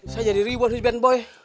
saya jadi riwan nih den boy